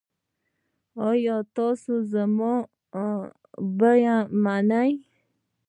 ایا تاسو زما بیمه منئ؟